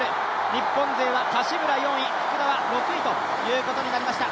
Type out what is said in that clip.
日本勢は柏村４位、福田は６位ということになりました。